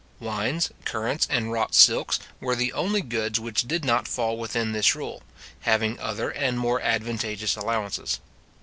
Wines, currants, and wrought silks, were the only goods which did not fall within this rule, having other and more advantageous allowances.